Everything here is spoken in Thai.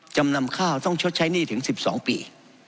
จำนำข้าวต้องชดใช้หนี้ถึง๑๒ปี